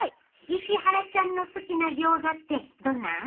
石原ちゃんの好きなギョーザってどんなん？